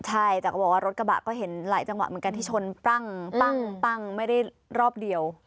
ใช่แต่ก็บอกว่ารถกระบะก็เห็นหลายจังหวะเหมือนกันที่ชนปั้งไม่ได้รอบเดียว